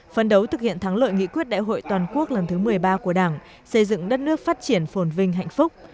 phấn đấu thực hiện thắng lợi nghị quyết đại hội toàn quốc lần thứ một mươi ba của đảng xây dựng đất nước phát triển phồn vinh hạnh phúc